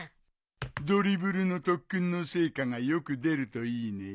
ドリブルの特訓の成果がよく出るといいね。